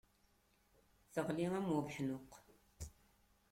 Teɣli am ubeḥnuq.